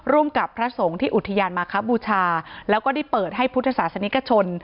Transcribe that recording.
กับพระสงฆ์ที่อุทยานมาคบูชาแล้วก็ได้เปิดให้พุทธศาสนิกชน